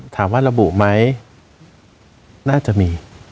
ถามว่าระบุไหมน่าจะมี